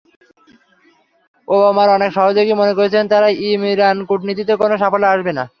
ওবামার অনেক সহযোগী মনে করেছিলেন, তাঁর ইরান কূটনীতিতে কোনো সাফল্য আসবে না।